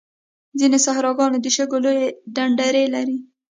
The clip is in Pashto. ځینې صحراګان د شګو لویې ډنډرې لري.